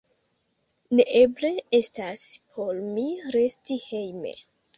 Neeble estas por mi resti hejme!